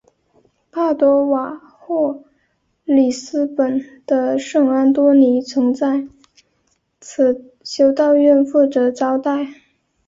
帕多瓦或里斯本的圣安多尼曾在此修道院负责招待。